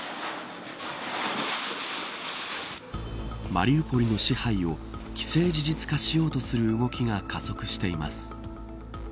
マリウポリの支配を既成事実化しようとする動きが加速しています。